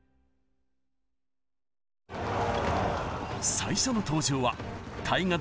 最初の登場は大河ドラマ